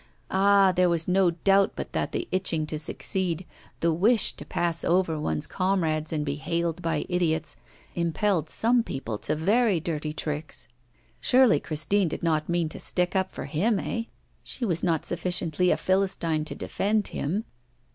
Ah, there was no doubt but that the itching to succeed, the wish to pass over one's comrades and be hailed by idiots, impelled some people to very dirty tricks. Surely Christine did not mean to stick up for him, eh? She was not sufficiently a philistine to defend him.